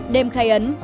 đêm khai ấn